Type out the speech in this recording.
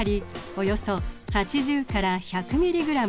およそ８０から１００ｍｇ。